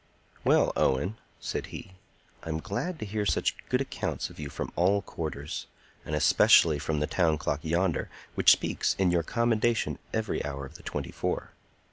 "Well, Owen," said he, "I am glad to hear such good accounts of you from all quarters, and especially from the town clock yonder, which speaks in your commendation every hour of the twenty four.